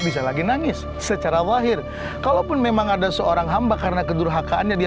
bisa lagi nangis secara wahir kalaupun memang ada seorang hamba karena kedurhakaannya dia